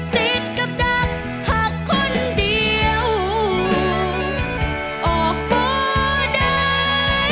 ติดกับดังพักคนเดียวออกมาได้